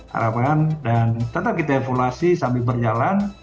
harapan dan tetap kita evaluasi sambil berjalan